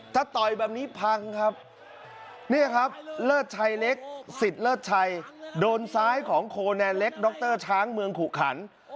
ถ้าต่อยแบบนี้พังครับนี่ครับเลิศชัยเล็กสิทธิ์เลิศชัยโดนซ้ายของโคแนนเล็กดรช้างเมืองขุขัน